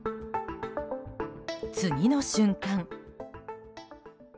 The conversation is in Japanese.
次の瞬間。